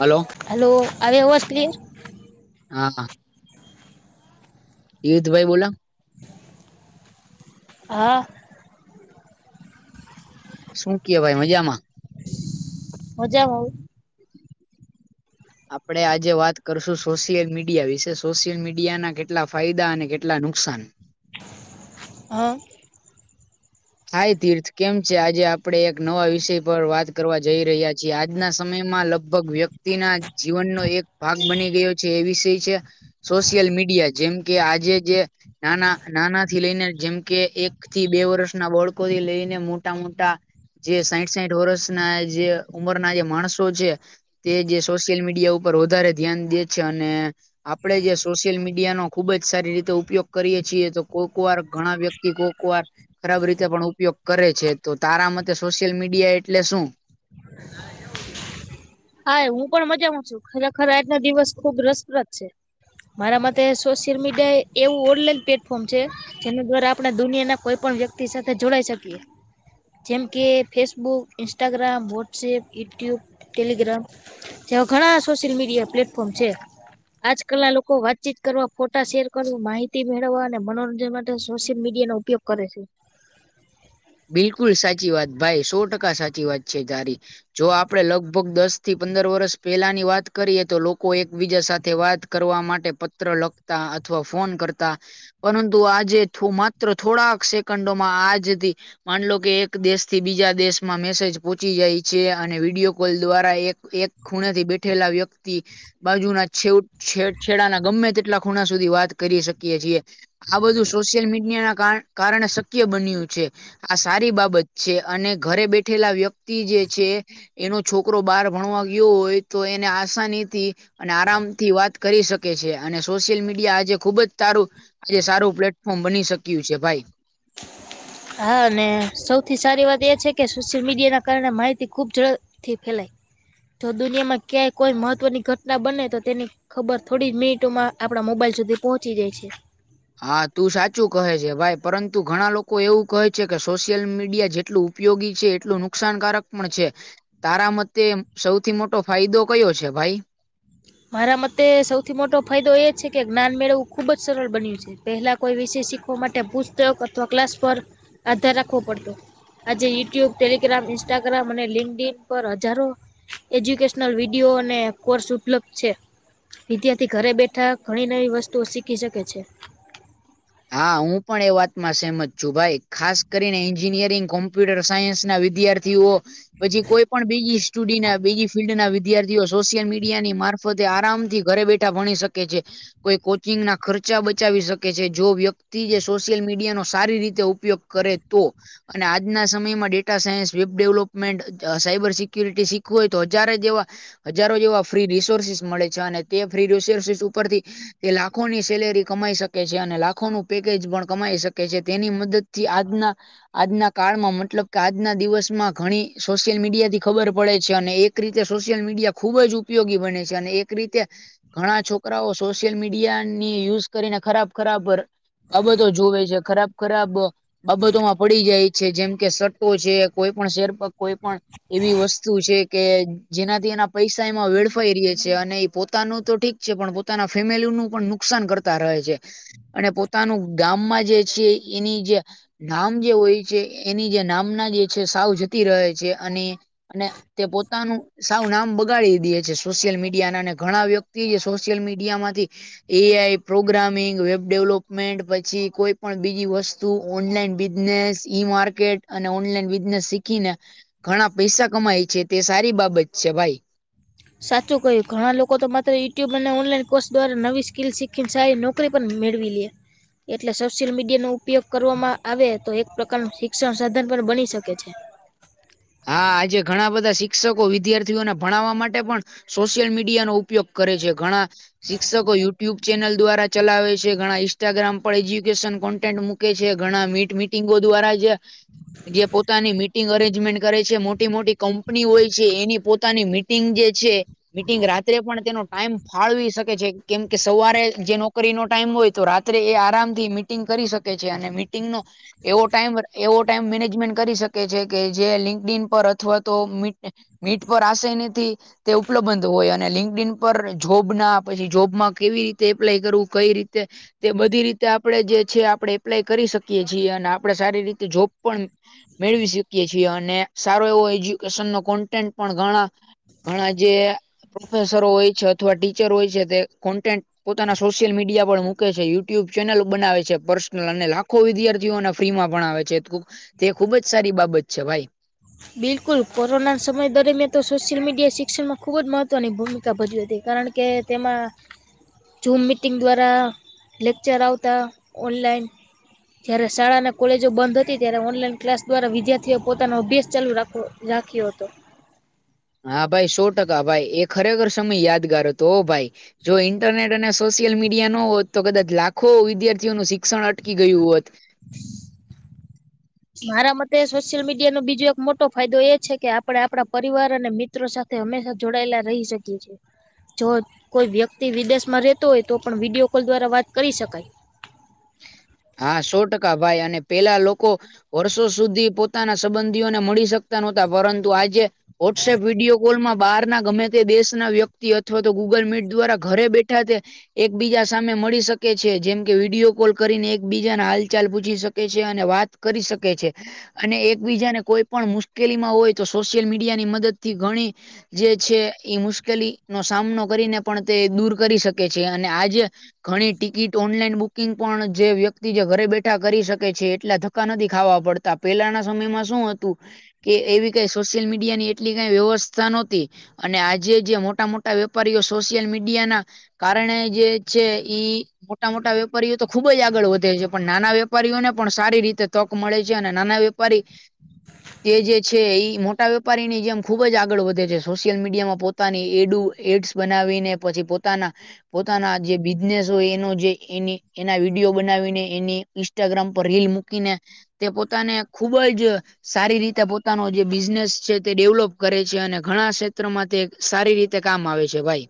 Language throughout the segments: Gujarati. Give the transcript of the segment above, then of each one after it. હલો હલો આવે અવાજ ક્લિયર? હા તીર્થભાઈ બોલા હા શું કહેવાય મજામાં મજામાં આપડે આજે વાત કરશું સોશિયલ મીડિયા વિશે સોશિયલ મીડિયાના કેટલા ફાયદા અને કેટલા નુકસાન હા થાય તીર્થ કેમ છે, આજે આપડે એક નવા વિષય પર વાત કરવા જઈ રહ્યા છીએ આજના સમયમાં લ ગભગ વ્યક્તિના જીવનનો એક ભાગ બની ગયો છે એ વિષય છે, સોશિયલ મીડિયા જેમ કે આજે જે નાના નાના થી લઈને જેમ કે એક થી બે વર્ષ ના બળકોથી લઈને મોટા મોટા જે સાઠ સાઠ વર્ષ ના જે ઉંમર ના જે માણસો છે, તે જે સોશિયલ મીડિયા ઉપર વધારે ધ્યાન દે છે, અને આપડે જે સોશિયલ મીડિયાનો ખુબ જ સારી રીતે ઉપયોગ કરીએ છીએ તો કોઈક વાર ઘણા વ્યક્તિ કોક વાર ખરાબ રીતે પણ ઉપયોગ કરે છે, તો તારા મતે સોશિયલ મીડિયા એટલે શુંત? હા હું પણ મજામાં છું ખરેખર આજના દિવસ ખુબ રસપ્રદ છે, મારા માટે સોશિયલ મીડિયા એવું ઓનલાઈન પ્લેટફોર્મ છે, જેનું ઘર કોઈપણ વ્યક્તિ સાથે જોડાય શકે જેમ કે Facebook, Instagram, WhatsApp, YouTube, Telegram, જેવા ઘણા સોશિયલ મીડિયા પ્લેટફોર્મ છે, આજકાલના લોકો વાતચીત કરવા ફોટા શેર કર માહિતી મેળવવા અને મનોરંજન માટે સોશિયલ મીડિયાનો ઉપયોગ કરે છે, બિલકુલ સાચી વાત ભાઈ સો ટકા સાચી વાત છે, તારી જો આપડે લગભગ દસ થી પંદર વર્ષ પેલાની વાત કરીએ તો લોકો એકબીજા સાથે વાત કરવા માટે પત્ર લખતા અથવા ફોન કરતા પરંતુ આજે માત્ર થોડાક સેકન્ડોમાં આજથી માનલો કે એક દેશથી બીજા દેશમાં મેસેજ પહોંચી જાય છે, અને વિડીયો કોલ દ્વારા એક એક ખૂણે થી બેઠેલા વ્યક્તિ બાજુના છે છે છેડાના ગમે તેટલા ખૂણા સુધી વાત કરી શકીએ છીએ. આ બધું સોશિયલ મીડિયા ના કાર કારણે શક્ય બન્યું છે, આ સારી બાબત છે અને ઘરે બેઠેલા વ્યક્તિ જે છે, એનો છોકરો બહાર ભણવા ગયો હોય તો એને આસાનીથી અને આરામથી વાત કરી શકે અને સોશિયલ મીડિયા આજે ખુબ જ તારું આજે સારું પ્લેટફોર્મ બની શક્યું છે ભાઈ. હા અને સૌથી સારી વાત એ છે કે, સોશિયલ મીડિયા ના કારણે માહિતી ખુબ ઝડપ થી ફેલાય. જો દુનિયામાં ક્યાંય કોઈ મહત્વની ઘટના બને તો તેની ખબર થોડી મિનિટોમાં આપડા મોબાઈલ સુધી પહોંચી જાય છે. હા તું સાચું કહે છે ભાઈ, પરંતુ ઘણા લોકો એવું કહે છે કે સોશિયલ મીડિયા જેટલું ઉપયોગી છે, એટલું નુકસાન કારક પણ છે. તારા મતે સૌથી મોટો ફાયદો કયો છે ભાઈ? મારા મતે સૌથી મોટો ફાયદો એ છે કે જ્ઞાન મેળવું ખુબ જ સરળ બન્યું છે. પહેલા કોઈ વિષય શીખવા માટે પુસ્તક અથવા ક્લાસ પર આધાર રાખવો પડતો. આજે યુટ્યુબ, ટેલિગ્રામ, ઇન્સ્ટાગ્રામ અને લિંકડ ઇન પર હજારો એજ્યુકેશનલ વિડીયો અને કોર્સ ઉપલબ્ધ છે. વિદ્યાર્થી ઘરે બેઠા ઘણી નવી વસ્તુઓ શીખી શકે છે. હા હું પણ એ વાતમાં સહેમત છું ભાઈ. ખાસ કરીને એન્જિનિયરિંગ કોમ્પ્યુટર સાયન્સ ના વિદ્યાર્થી થીઓ પછી કોઈ પણ બીજી જુડી ના બીજી ફિલ્ડના વિદ્યાર્થીઓ સોશિયલ મીડિયાની મારફતે આરામથી ઘરે બેઠા ભણી શકે છે. કોઈ કોચિંગ ના ખર્ચા બચાવી શકે છે. જો વ્યક્તિ જે સોશિયલ મીડિયાનો સારી રીતે ઉપયોગ કરે તો. અને આજના સમયમાં data science, web development, cyber security શીખવું હોય તો હજારે જેવા હજારો જેવા ફ્રી રિસોર્સસીસ મળે છે અને તે ફ્રી રિસોર્સસ ઉપરથી તે લાખોની સેલેરી કમાઈ શકે છે અને લા ખોનું પેકેજ પણ કમાઈ શકે છે. તેની મદદથી આજના આજના કાળમાં મતલબ કે આજના દિવસમાં ઘણી સોશિયલ મીડિયા થી ખબર પડે છે અને એક એક રીતે સોશિયલ મીડિયા ખુબ જ ઉપયોગી બને છે અને એક રીતે ઘણા છોકરાઓ સોશિયલ મીડિયાની યુઝ કરીને ખરાબ ખરાબ બાબતો જુવે છે. ખરાબ ખરાબ બાબતોમાં પડી જાય છે. જેમ કે સટ્ટો છે, કોઈ પણ શેર પ કોઈ પણ એવી વસ્તુ છે. કે જેનાથી એના પૈસા એમાં વેડફાઈ રહ્યા છે અને એ પોતાનું તો ઠીક છે પણ પોતાના ફેમેલીનું પણ નુકસાન કરતા રહે છે. અને પોતાનું ગામમાં જે છે એની જે નામ જે હોય છે એની જે નામના જે છે સાવ જતી રહે છે અને અને તે પોતાનું સાવ નામ બગાડી દિયે છે. સોશિયલ મીડિયા ના અને ઘણા વ્યક્તિઓએ સોશિયલ મીડિયા માંથી A I, programming, web development પછી કોઈ પણ બીજી વસ્તુ, ઓનલાઈન બિઝનેસ, ઈ માર્કેટ અને ઓનલાઈન બિઝનેસ શીખીને ઘણા પૈસા કમાય છે તે સારી બાબત છે ભાઈ. સાચું કહ્યું, ઘણા લોકો તો માત્ર યુટ્યુબ અને ઓનલાઈન કોર્સ દ્વારા નવી સ્કીલ શીખીને સારી નાકરી પણ મેળવી લે. એટલે સોશિયલ મીડિયા નો ઉપયોગ કરવામાં આવે તો એક પ્રકારનું શિક્ષણ સાધન પણ બની શકે છે. હા, આજે ઘણા બધા શિક્ષકો વિદ્યાર્થીઓને ભણાવવા માટે પણ સોશિયલ મીડિયાનો ઉપયોગ કરે છે, ઘણા શિક્ષકો યુટ્યુબ ચેનલ દ્વારા ચલાવે છે, ઘણા ઇન્સ્ટાગ્રામ પર એજ્યુકેશન કોન્ટેન્ટ મૂકે છે, ઘણા મીટ મીટ મિટિંગો દ્વારા જે જે પોતાની મિટિંગ અરેન્જમેન્ટ કરે છે મોટી મોટી કંપની હોય છે, એની પોતાની મિટિંગ જે છે મીટિંગ રાત્રે પણ તેનો ટાઈમ ફાળવી શકે છે. કેમ કે સવારે જે નોકરીનો ટાઈમ હોય તો, રાત્રે એ આરામ થી મી મીટિંગ કરી શકે છે. અને મીટ ટિંગનો એવો ટાઈમર, એવો ટાઈમ મેનેજમેન્ટ કરી શકે છે, કે જે લિંક ડીન પર અથવા તો મીટ એ મીટ પર આશેની થી તે ઉપ્લબંધ હોય. અન ને લિંકડઇન પર જોબ ના, પછી જોબમાં કેવી રીતે એપ્લાય કરવું, કંઈ રીતે તે બધી રીતે આપણે જે છે આપણે એપ્લાય કરી શકીએ છીએ. અને આપણે સારી રીતે જોબ પણ મેળવી શકીએ છીએ. અને સારો એવો એજ્યુકેશન નો કોન્ટેન્ટ પણ ઘણા ઘણા જે પ્રોફેસરો હોય છે, અથવા ટીચર હોય છે, તે કોન્ટેન્ટ પોતાના સોશિયલ મીડિયા પર મૂકે છે. યુટ્યુબ ચેનલ બનાવે છે પર્સનલ. અને લાખો વિદ્યાર્થીઓના ફ્રી માં ભણાવે છે. તો તે ખુબ જ સારી બાબત છે ભાઈ. બિલકુલ. કોરોના સમય દરમિયાન તો સોશિયલ મીડિયાએ શિક્ષણમાં ખૂબ જ મહત્ત્વની ભૂમિકા ભજવી હતી, કારણ કે તેમાં ઝૂમ મિટિંગ દ્વારા લેક્ચર આવતા ઓનલાઈન. જયારે શાળા ને કોલેજો બંધ હતી, ત્યારે ઓનલાઈન ક્લાસ દ્વારા વિદ્યાર્થીઓ પોતાનો અભ્યાસ ચાલું રાખો, રાખ્યો હતો. હા ભાઈ સો ટકા ભાઈ. એ ખરેખર સમય યાદગાર હતો હો ભાઈ. જો ઇન્ટરનેટ અને સોશિયલ મીડિયા ન હોત તો કદાચ લાખો વિદ્યાર્થીઓનું શિક્ષણ અટકી ગયું હોત. [inaudible] મારા મતે સોશિયલ મીડિયા નો બીજો એક મોટો ફાયદો એ છે કે આપણે આપણે પરિવાર અને મિત ત્રો સાથે હંમેશા જોડાયેલા રહી શકીએ છીએ. જો કોઈ વ્યક્તિ વિદેશમાં રહેતો હોય તો પણ વિડિયો કોલ દ્વારા વાત કરી શકાય. હા સો ટકા ભાઈ. અને પહેલા લોકો વર્ષો સુધી પોતાના સંબંધીઓને મળી શકતા નહોતા, પરંતુ આજે વોટ્સએપ વિડિયો કોલમાં બહારના ગમે તે દેશના વ્યક્તિ, અથવા તો ગૂગલ મીટ દ્વારા ઘરે બેઠા તે એકબીજા સામે મળી શકે છે, જેમ કે વિડિયો કોલ કરી ને એક બીજા ના હાલચાલ પૂછી શકે છે, અને વાત કરી શકે છે. અને એકબીજાને કોઈ પણ મુશ્કેલીમાં હોય તો સોશિયલ મીડિયા ની મદદ થી ઘણી જે છે ઈ મુશ્કેલીનો સામનો કરીને પણ તે દૂર કરી શકે છે. અને આજે ઘણી ટિકિટ ઓનલાઈન બુકિંગ પણ જે વ્યક્ તિ જે ઘરે બેઠા કરી શકે છે, એટલા ધક્કા નથી ખાવા પડતા. પહેલાના સમયમાં શું હતું કે એવી કંઈ સોશિયલ મીડિયા ની એટલી કાંઈ વ્યવસ્થા નહોતી. અને આજે જે મોટા-મોટા વેપારીઓ સોશિયલ મીડિયા ના કારણે જે છે ઈ મોટા-મોટા વેપારીઓ તો ખુબ જ આગળ વધ ધે છે, પણ નાના વેપારીઓને પણ સારી રીતે તક મળે છે. અને નાના વેપારી તે જે છે ઈ મોટ ટા વેપારીની જેમ ખૂબ જ આગળ વધે છે. સોશિયલ મીડિયામાં પોતાની એડુ એડ્સ બનાવીને. પછી પોતાના, પોતાના જે બિઝનેસ હોય એનું જે એની એના વિડીયો બનાવીન ને એની ઇન્સ્ટાગ્રામ પર રીલ મૂકીને તે પોતાને ખુબ જ સારી રીતે પોતાનો જે બિઝનેસ છે તે ડેવલોપ કરે છે, અને ઘણા ક્ષેત્રમાં તે સારી રીતે કામ આવે છે ભાઈ.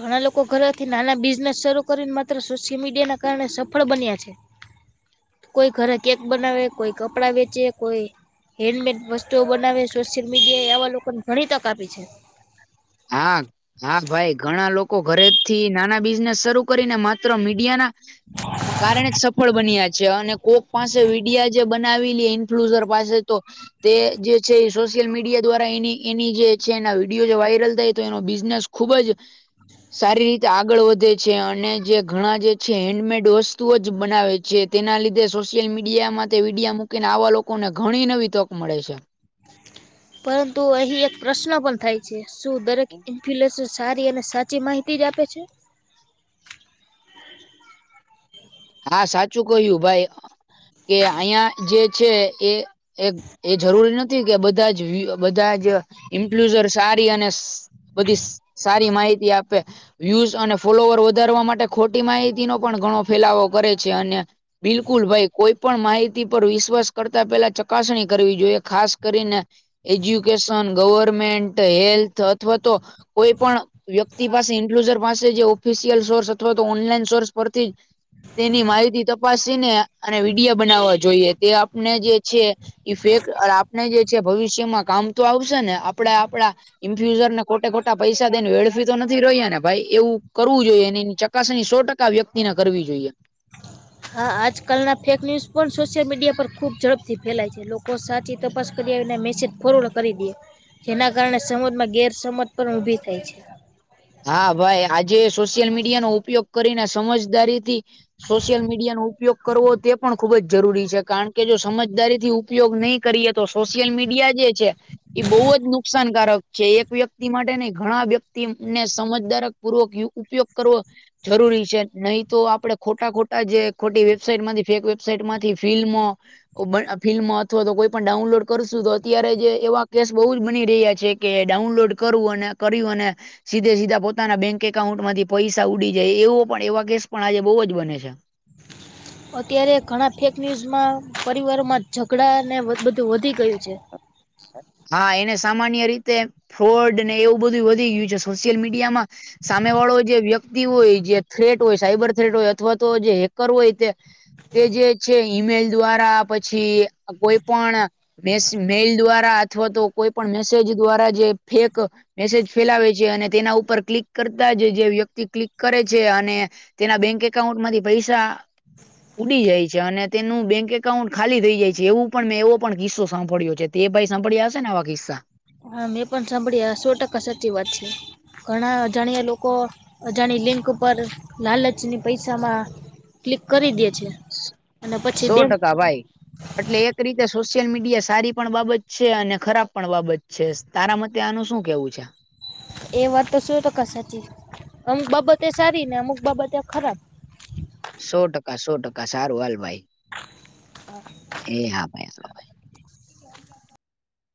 ઘણા લોકો ઘરેથી નાના બિઝનેસ શરૂ કરીને માત્ર સોશિયલ મીડિયા ના કારણે સફળ બન્યા છે. કોઈ ઘરે કેક બનાવે, કોઈ કપડાં વેચે, કોઈ હેન્ડમેડ વસ્તુઓ બનાવે, સોશિયલ મીડિયા એ આવા લોકોને ઘણી તક આપી છે. હા, હા ભાઈ. ઘણા લોકો ઘરે થી નાના બિઝનેસ શરૂ કરીને માત્ર મીડિયા ના મ કારણે જ સફળ બન્યા છે. અને ઓક પાસે વિડિયા જે બનાવી લી ઇન્ફ્લુઝર પાસે તો તે જે છે ઈ સોશિયલ મીડિયા દ્વારા એની એની જે છે એના વિડીયો જે વાયરલ તઈ તો એનો બિઝનેસ ખુબ જ સારી રીતે આગળ વધે છે, અને જે ઘણા જે છે હેન્ડમેડ ડોજ તો જ બનાવે છે, તેના લીધે સોશિયલ મીડિયામાં તે વિડિયા મૂકીને આવા લોકોને ઘણી નવી તક મળે છે. પરંતુ અહી એક પ્રશ્ન પણ થાય. શું દરેક ઇન્ફલેસન સારી અને સાચી માહિતી આપે જ છે. હા સાચું કહ્યું ભાઈ કે અહિયા જે છે એ. એક એ જરૂરી નથી કે બધા જ બધા જ ઇમ્પ્લઝર સારી અને બધી સારી માહિતી આપે. વ્યુઝ અને ફોલોવર વધારવા માટે ખોટી માહિતી નો પણ ઘણો ફેલાવો કરે છે અને બિલકુલ ભાઈ કોઈ પણ માહિતી પર વિશ્વાસ કરતા પેલા ચકાસણી કરવી જોઈએ ખાસ કરીને. એજ્યુકેશન ગવર્મેન્ટ હેલ્થ અથવા તો કોઈ પણ વ્યક્તિ પાસે ઇન્ક્લુઝર પાસે જે ઓફિશિયલ સોર્સ અથવા તો ઓનલાઈન સોર્સ પરથી તેની માહિતી તપાસી ને અને વિડીયો બનાવવા જોઈએ તે આપણે જે છે. એ ફેક અ આપણે જે છે ભવિષ્યમાં કામ તો આવશે ને આપણે આપણા ઇન્ફ્યુઝર ને ખોટે ખોટા પૈસા દેને વેડફી તો નથી રોયા ને ભાઈ એવું કરવું જોઈએ એની ચકાસણી સો ટકા વ્યક્તિને કરવી જોઈએ. હા આજકાલના ફેક ન્યૂઝ પણ સોશિયલ મીડિયા પર ખુબ ઝડપથી ફેલાય છે લોકો સાચી તપાસ કરી આવીને મેસેજ ફોરવડ કરી દે જેના કારણે સમજમાં ગેરસમજ પણ ઉભી થાય છે. હા ભાઈ આજે સોશિયલ મીડિયાનો ઉપયોગ કરીને સમજદારી થી સોશિયલ મીડિયા નો ઉપયોગ કરવો તે પણ ખુબ જ જરૂરી છે કારણ કે જો સમજદારી થી ઉપયોગ નહીં. કરીએ તો સોશિયલ મીડિયા જે છે. એ બહુ જ નુકસાનકારક છે એક વ્યક્તિ માટે ને ઘણા વ્યક્તિ ને સમજદારક પુરક ઉપયોગ કરવો. જરૂરી છે નહી તો આપડે ખોટા ખોટા જે ખોટી વેબસાાઈટમાંથી ફેક વેબસાાઈટ માંથી ફિલ્મો ફિલ્મમાં અથવા તો કોઈ પણ ડાઉનલોડ કરશું તો અત્યારે જે એવા કેસ બહુ જ બની રહ્યા છે. કે ડાઉનલોડ કરવું અને કર્યું અને સીધે સીધા પોતાના બેંક એકાઉન્ટ માંથી પૈસા ઉડી જાય એવો પણ એવા કેસ પણ આજે બહુ જ બને છે. અત્યારે ઘણા ફેક ન્યૂઝમાં પરિવારોમાં ઝઘડાને બધું વધી ગયું છે. હા એને સામાન્ય રીતે ફોડ ને એવું બધું વધી ગયું છે સોશિયલ મીડિયામાં સામે વાળો જે વ્યક્તિ હોય જે થ્રેટ હોય સાયબર થ્રેટ હોય અથવા તો જે હેકર હોય તે તે જે છે ઈમેલ દ્વારા પછી કોઈ પણ મે મેઈલ દ્વારા અથવા તો કોઈ પણ મેસેજ દ્વારા જે ફેક મેસેજ ફેલાવે છે અને તેના ઉપર ક્લિક કરતા જ જે વ્યક્તિ ક્લિક કરે છે અને તેના બેંક એકાઉન્ટ માંથી પૈસા ઉડી જાય છે અને તેનું બેંક એકાઉન્ટ ખાલી થઈ જાય છે એવું પણ મેં એવો પણ કિસ્સો સાંભળ્યો. કે તે ભાઈ સાભળ્યા હશે આવા કિસ્સા હા મેં પણ સાંભળી સો ટકા સાચી વાત છે. ઘણા અજાણ્યા લોકો અજાણી લિંક પર લાલચની પૈસામાં ક્લિક કરી દે છે. અને પછી સો બેંક ટકા ભાઈ એટલે એક રીતે સોશિયલ મીડિયા સારી પણ બાબત છે અને ખરાબ પણ બાબત છે. તારા મતે આનું શું કેવું છે? વાત તો શું ટકા અમુક બાબતે સારી ને, અમુક બાબતે ખરાબ સો ટકા, સો ટકા સારું, હાલ ભાઈ એ હા ભાઈ